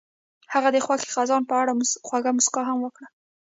هغې د خوښ خزان په اړه خوږه موسکا هم وکړه.